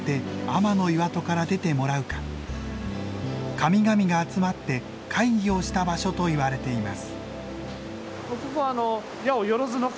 神々が集まって会議をした場所といわれています。